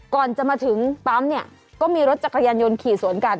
ก่อนจะมาถึงปั๊มเนี่ยก็มีรถจักรยานยนต์ขี่สวนกัน